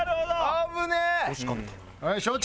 危ねえ！